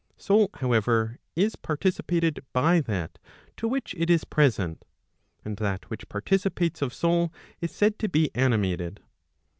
Soul however, is participated by that to which it is present. And that which participates of soul is said to be animated.